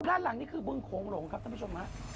ด้านหลังนี่คือบึงโขงหลงครับท่านผู้ชมฮะ